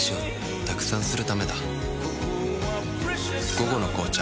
「午後の紅茶」